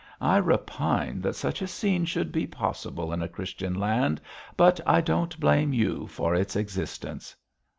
I repine that such a scene should be possible in a Christian land, but I don't blame you for its existence.'